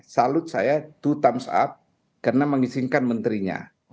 salut saya to times up karena mengizinkan menterinya